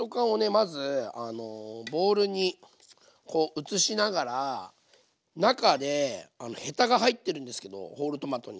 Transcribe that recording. まずボウルにこう移しながら中でヘタが入ってるんですけどホールトマトに。